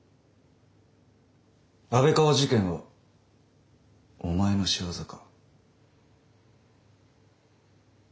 安倍川事件はお前の仕業か？